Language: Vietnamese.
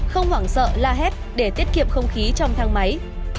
không hoảng sợ la hét để tiết kiệm không khí trong thang máy